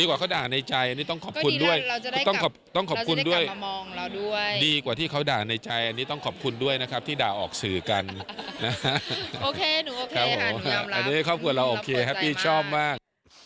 โอเคหนูโอเคหนูยอมรับครอบครัวเราโอเคชอบมาก